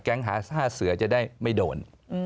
แก๊งห้าเสือจะได้ไม่โดน